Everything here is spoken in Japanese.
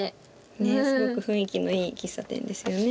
ねっすごく雰囲気のいい喫茶店ですよね。